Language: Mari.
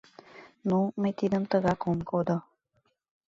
Ну, мый тидым тыгак ом кодо.